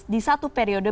di satu periode